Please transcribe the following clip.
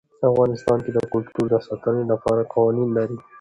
افغانستان د کلتور د ساتنې لپاره قوانین لري.